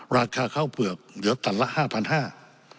ราคาเข้าเปลือกเหลือตลับละ๕๕๐๐บาท